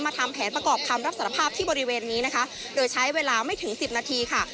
ทำแผนประกอบคำรับสารภาพที่บริเวณนี้นะคะโดยใช้เวลาไม่ถึงสิบนาทีค่ะ